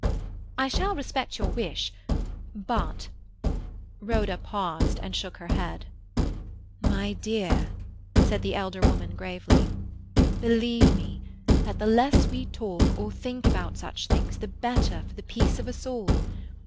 "I shall respect your wish; but—" Rhoda paused and shook her head. "My dear," said the elder woman gravely, "believe me that the less we talk or think about such things the better for the peace of us all.